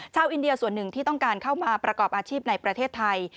อินเดียส่วนหนึ่งที่ต้องการเข้ามาประกอบอาชีพในประเทศไทย